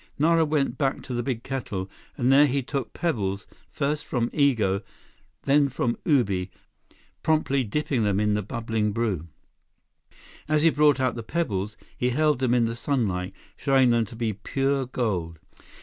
Nara went back to the big kettle, and there he took pebbles first from Igo, then from Ubi, promptly dipping them in the bubbling brew. As he brought out the pebbles, he held them in the sunlight, showing them to be pure gold.